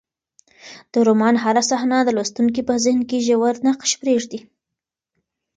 د رومان هره صحنه د لوستونکي په ذهن کې ژور نقش پرېږدي.